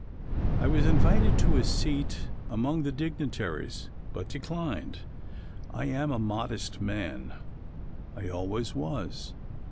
I was invited to a seat among the dignitaries, but declined. I am a modest man, I always was.